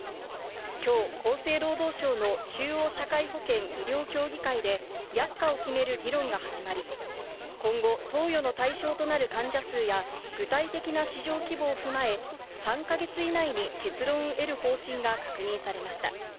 きょう、厚生労働省の中央社会保険医療協議会で、薬価を決める議論が始まり、今後、投与の対象となる患者数や、具体的な市場規模を踏まえ、３か月以内に結論を得る方針が確認されました。